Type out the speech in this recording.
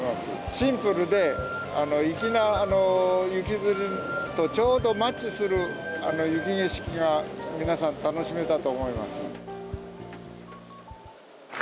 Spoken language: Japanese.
シンプルで粋な雪つりと、ちょうどマッチする雪景色が、皆さん、楽しめたと思います。